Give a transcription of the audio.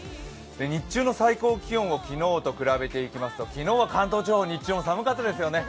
日中の最高気温を昨日と比べていきますと昨日は関東地方、日中も寒かったですよね。